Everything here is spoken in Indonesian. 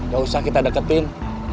gak usah kita deketin